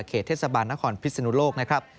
เขตเทศบาลนครพิศนุโลกนะครับ